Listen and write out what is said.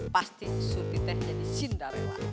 pasti suti teh jadi cinderella